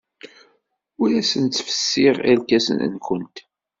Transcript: Ur awent-fessiɣ irkasen-nwent.